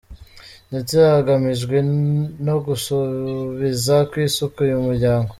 Ndetse hagamijwe no gusubiza kw’isuka uyu muryango.